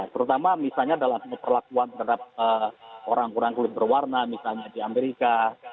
terutama misalnya dalam perlakuan terhadap orang orang kulit berwarna misalnya di amerika